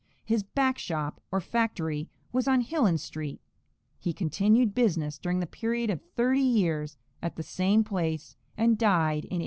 His "back shop," or factory, was on Hillen street. He continued business during the period of thirty years at the same place, and died in 1847 at the age of 67.